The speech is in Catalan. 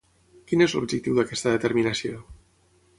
Quin és l'objectiu d'aquesta determinació?